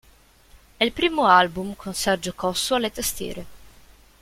È il primo album con Sergio Cossu alle tastiere.